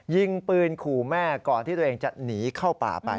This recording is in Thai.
ยิงปืนขู่แม่ก่อนที่ตัวเองจะหนีเข้าป่าไป